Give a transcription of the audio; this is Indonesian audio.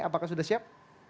apakah sudah siap